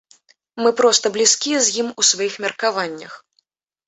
Мы проста блізкія з ім у сваіх меркаваннях.